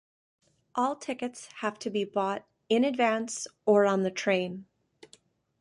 All tickets have to be bought in advance or on the train.